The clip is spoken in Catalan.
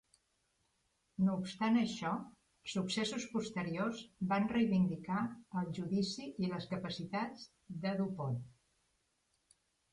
No obstant això, successos posteriors van reivindicar el judici i les capacitats de Du Pont.